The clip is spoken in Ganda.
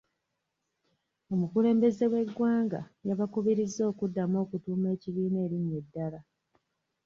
Omukulembeze w'eggwanga yabakubirizza okuddamu okutuuma ekibiina erinnya eddala.